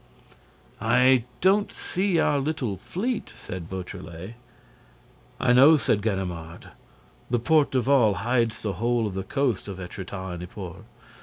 "I don't see our little fleet," said Beautrelet. "I know," said Ganimard. "The Porte d'Aval hides the whole of the coast of Étretat and Yport.